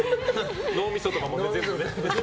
脳みそとかも全部ね。